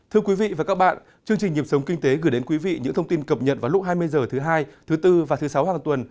thưa quý vị và các bạn chương trình nhịp sống kinh tế gửi đến quý vị những thông tin cập nhật vào lúc hai mươi h thứ hai thứ bốn và thứ sáu hàng tuần